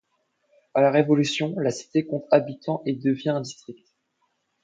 À la Révolution, la Cité compte habitants et devient un district.